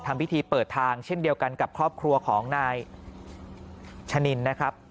ทำพิธีเปิดทางเช่นเดียวกันกับครอบครัวของนายชะนินนะครับ